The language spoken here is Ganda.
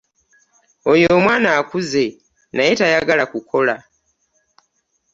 Oyo omwana akuze naye tayagala kukola.